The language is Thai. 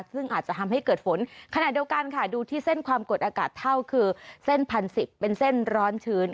ซึ่งอาจจะทำให้เกิดฝนขณะเดียวกันค่ะดูที่เส้นความกดอากาศเท่าคือเส้นพันสิบเป็นเส้นร้อนชื้น